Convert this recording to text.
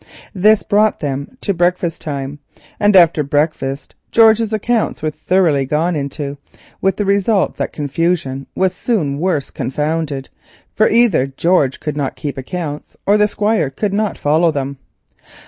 This brought them to breakfast time, and after breakfast, George's accounts were thoroughly gone into, with the result that confusion was soon worse confounded, for either George could not keep accounts or the Squire could not follow them.